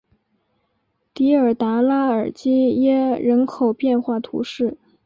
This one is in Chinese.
迪尔达拉尔基耶人口变化图示